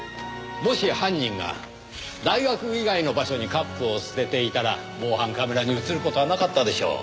もし犯人が大学以外の場所にカップを捨てていたら防犯カメラに映る事はなかったでしょう。